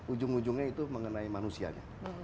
ujung ujungnya itu mengenai manusianya